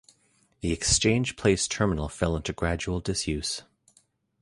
The Exchange Place terminal fell into gradual disuse.